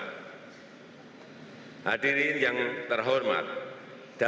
hadirin saya presiden jokowi dan presiden jokowi saya berterima kasih untuk anda